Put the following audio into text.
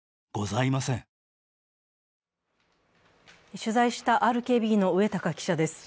取材したＲＫＢの植高記者です。